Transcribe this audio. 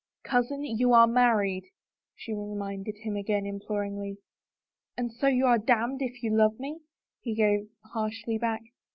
" Cousin, you are married," she reminded him again, imploringly. "And so you are damned if you love me?" he gave harshly back.